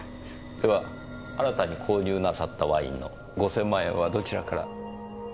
では新たに購入なさったワインの５０００万円はどちらから？